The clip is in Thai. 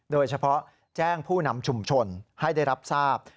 โดยเฉพาะแจ้งผู้นำชุมชนให้ได้รับทราบ